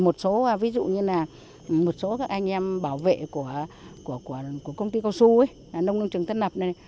một số ví dụ như là một số các anh em bảo vệ của công ty cao su nông nông trường tân lập này